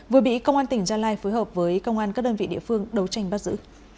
vừa bị công an tỉnh gia lai phối hợp với công an các đơn vị địa phương đấu tranh bắt giữ